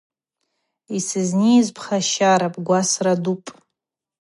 Йсызнийыз пхащарапӏ, гвасра дупӏ.